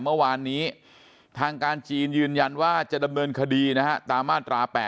เมื่อวานนี้ทางการจีนยืนยันว่าจะดำเนินคดีนะฮะตามมาตรา๘